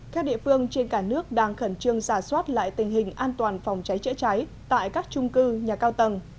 các địa phương trên cả nước đang khẩn trương giả soát lại tình hình an toàn phòng cháy chữa cháy tại các trung cư nhà cao tầng